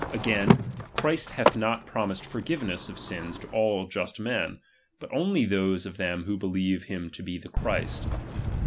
Again, Christ hath not promised forgiveness of sins to all just men ; but only those of them who believe him to be the Christ.